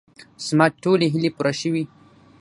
زما ټولې هیلې پوره شوې.